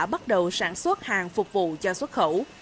bắt đầu sản xuất hàng phục vụ cho xuất khẩu